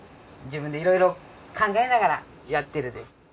自分でいろいろ考えながらやってるんです。